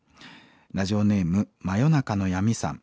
ラジオネーム真夜中の闇さん。